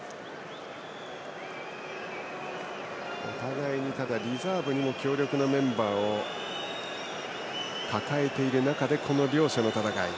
お互いにリザーブにも強力なメンバーを抱えている中でこの両者の戦い。